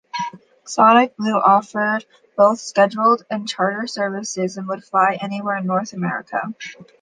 SonicBlue offered both scheduled and charter services and would fly anywhere in North America.